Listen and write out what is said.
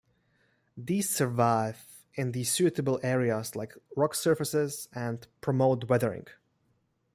These survive in the suitable areas like rock surfaces, and promote weathering.